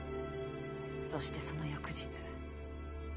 そしてその翌日。